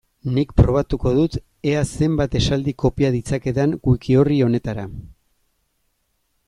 Nik probatuko dut ea zenbat esaldi kopia ditzakedan wiki-orri honetara.